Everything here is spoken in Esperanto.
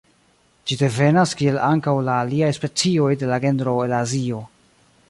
Ĝi devenas kiel ankaŭ la aliaj specioj de la genro el Azio.